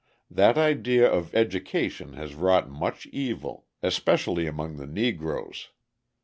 That idea of education has wrought much evil, especially among the Negroes.